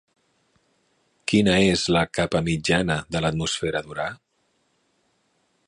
Quina és la capa mitjana de l'atmosfera d'Urà?